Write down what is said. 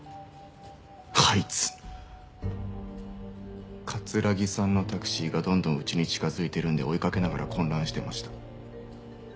あいつ城さんのタクシーがどんどんうちに近づいてるんで追いかけながら混乱してました。